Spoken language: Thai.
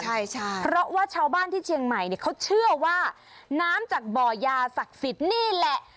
ใช่ใช่เพราะว่าชาวบ้านที่เชียงใหม่เนี่ยเขาเชื่อว่าน้ำจากบ่อยาศักดิ์สิทธิ์นี่แหละ